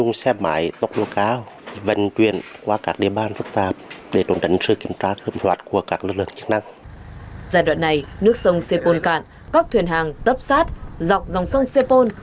giai đoạn này nước sông sê pôn cạn cóc thuyền hàng tấp sát dọc dòng sông sê pôn